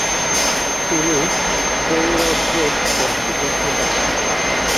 তিনি কৌরবদের পক্ষে যুদ্ধ করেন।